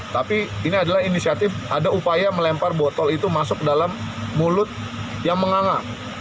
tapi ini adalah inisiatif ada upaya melempar botol itu masuk dalam mulut yang menganga